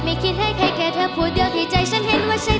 ไม่คิดให้ใครแค่เธอผู้เดียวที่ใจฉันเห็นว่าใช่